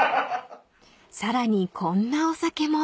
［さらにこんなお酒も］